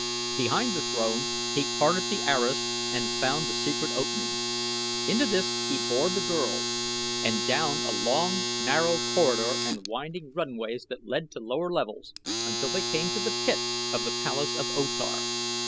Behind the throne he parted the arras and found the secret opening. Into this he bore the girl and down a long, narrow corridor and winding runways that led to lower levels until they came to the pits of the palace of O Tar.